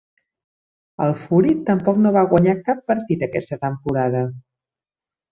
El Fury tampoc no va guanyar cap partit aquesta temporada.